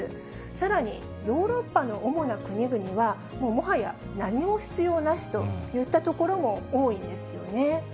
さらにヨーロッパの主な国々は、もうもはや何も必要なしといった所も多いんですよね。